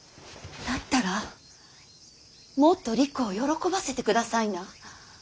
だったらもっとりくを喜ばせてくださいな。